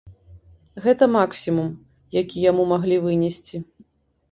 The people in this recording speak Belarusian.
Гэта максімум, які яму маглі вынесці.